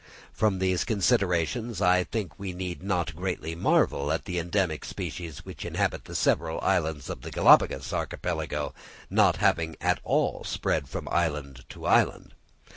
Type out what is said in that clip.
From these considerations I think we need not greatly marvel at the endemic species which inhabit the several islands of the Galapagos Archipelago not having all spread from island to island.